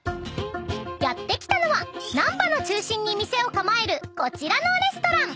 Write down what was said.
［やって来たのは難波の中心に店を構えるこちらのレストラン］